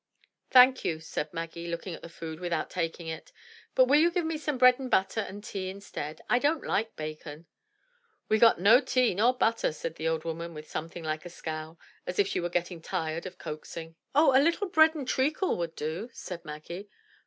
"Thank you," said Maggie, looking at the food without taking it, "but will you give me some bread and butter and tea instead? I don't like bacon. "We've got no tea nor butter," said the old woman, with something like a scowl, as if she were getting tired of coaxing, 244 THE TREASURE CHEST "Oh, a little bread and treacle would do," said Maggie.